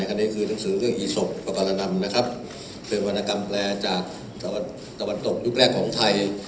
อันนี้คือหนังสือเรื่องอีศพประการนำนะครับเป็นวรรณกรรมแปลจากตะวันตกยุคแรกของไทย